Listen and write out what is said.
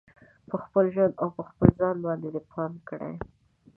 په خپل ژوند او په خپل ځان باندې دې پام کړي